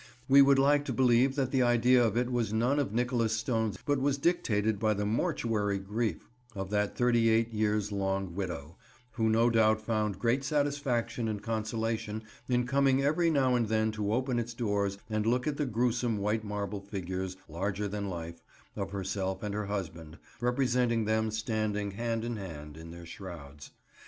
We would like to believe that the idea of it was none of Nicholas Stone's, but was dictated by the mortuary grief of that thirty eight years' long widow, who no doubt found great satisfaction and consolation in coming every now and then to open its doors and look at the gruesome white marble figures, larger than life, of herself and her husband, representing them standing hand in hand, in their shrouds.